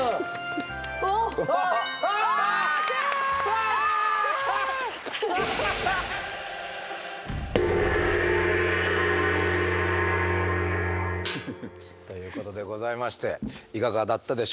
わあ！ということでございましていかがだったでしょうか？